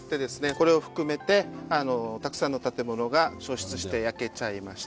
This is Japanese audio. これを含めてたくさんの建物が焼失して焼けちゃいました。